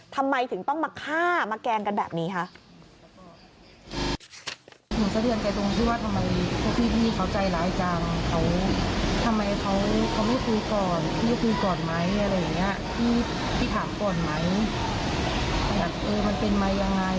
ถ้าติดเรื่องเงินหรือเรื่องอะไรแบบมาคุยกับครอบครัวก็ได้เอาเลยแบบนี้